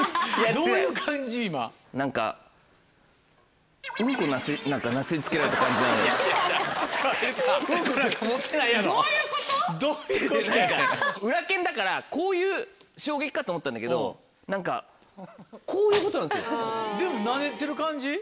どういうこと⁉裏拳だからこういう衝撃かと思ったんだけど何かこういうことなんですよ。